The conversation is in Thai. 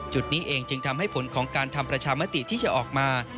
จุดนี้เองจึงทำให้ผลของการทำประชามติที่จะออกมา